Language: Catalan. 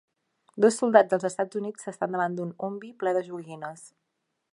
Dos soldats dels EUA s'estan davant d'un Humvee ple de joguines.